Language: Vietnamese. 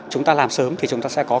chúng ta làm sớm thì chúng ta sẽ có